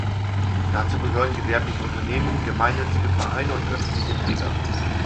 Dazu gehören gewerbliche Unternehmen, gemeinnützige Vereine und öffentliche Träger.